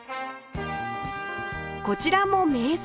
こちらも名作